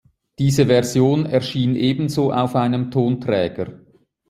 Diese Version erschien ebenso auf einem Tonträger.